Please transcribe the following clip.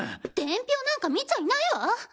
伝票なんか見ちゃいないわっ！